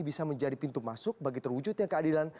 bisa menjadi pintu masuk bagi terwujudnya keadilan